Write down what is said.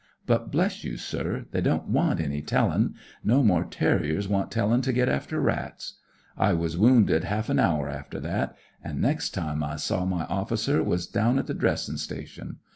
* But bless you, sir, they don't want any telling. No more'n terriers want tellin' to get after rats. I was wounded half an hour after that ; an' nex' time I saw SPIRIT OF BRITISH SOLDIER 88 my officer was down at the dressin* station.